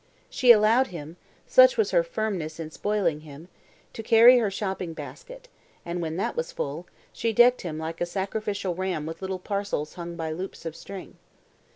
She allowed him (such was her firmness in "spoiling" him) to carry her shopping basket, and when that was full, she decked him like a sacrificial ram with little parcels hung by loops of string.